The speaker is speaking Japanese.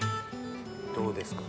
どうですか？